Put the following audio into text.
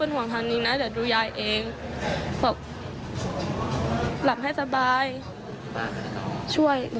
หลับให้สบาย